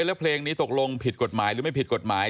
แล้วเพลงนี้ตกลงผิดกฎหมายหรือไม่ผิดกฎหมาย